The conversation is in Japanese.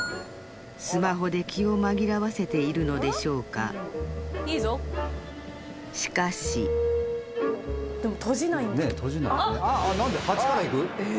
スマホで気をまぎらわせているのでしょうかしかしでも閉じないんだあっ８からいく？